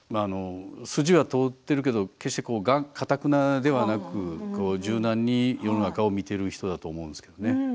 筋は通っているけど決して、かたくなではなく柔軟に世の中を見ている人だと思うんですけどね。